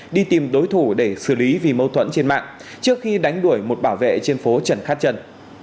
đi tìm đối thủ để xử lý vì mâu thuẫn trên mạng trước khi đánh đuổi một bảo vệ trên phố trần khát trân